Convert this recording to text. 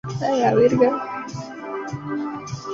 Ha trabajado en la serie Dawson's Creek, o "Amantes y amigos".